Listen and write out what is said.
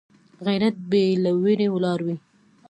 غیرت بې له ویرې ولاړ وي